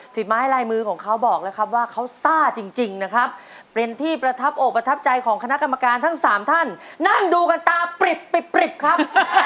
ฝีไม้ลายมือของเขาบอกแล้วครับว่าเขาซ่าจริงนะครับเป็นที่ประทับอกประทับใจของคณะกรรมการทั้งสามท่านนั่งดูกันตาปริบปริบครับ